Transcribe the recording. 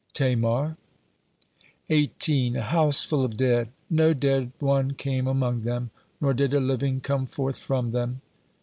"Tamar." 18. "A house full of dead; no dead one came among them, nor did a living come forth from them?"